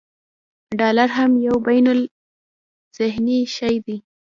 ډالر هم یو بینالذهني شی دی.